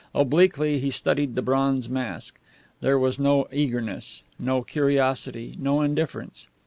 Obliquely he studied the bronze mask. There was no eagerness, no curiosity, no indifference.